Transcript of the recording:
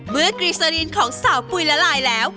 เมื่อกิสรีนของสาวปุ๋ยละลายแล้ว